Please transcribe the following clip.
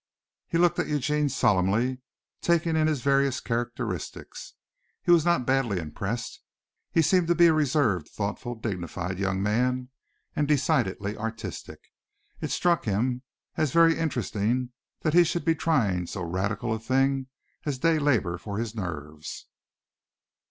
He looked at Eugene solemnly, taking in his various characteristics. He was not badly impressed. He seemed to be a reserved, thoughtful, dignified young man and decidedly artistic. It struck him as very interesting that he should be trying so radical a thing as day labor for his nerves.